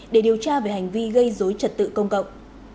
để điều tra về hành vi gây dối trật tự công cộng